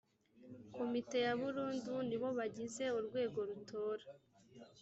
komite ya burundu ni bo bagize urwego rutora